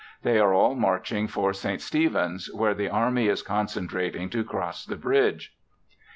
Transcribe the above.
They are all marching for St. Stephens, where the army is concentrating to cross the bridge.